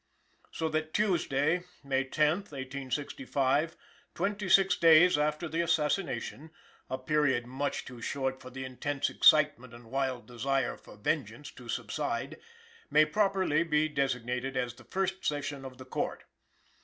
So that Tuesday, May 10th, 1865 twenty six days after the assassination, a period much too short for the intense excitement and wild desire for vengeance to subside may properly be designated as the first session of the Court.